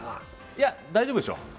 いや、大丈夫でしょう。